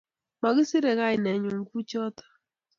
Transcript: Makisirei kainennyu kuchotok